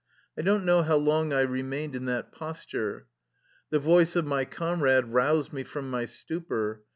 I don't know how long I remained in that posture. The voice of my comrade roused me from my stupor.